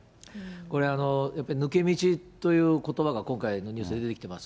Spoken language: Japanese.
これは抜け道ということばが今回、ニュースで出てきてます。